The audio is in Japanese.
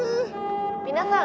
「皆さん！